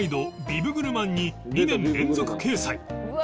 ビブグルマンに２年連続掲載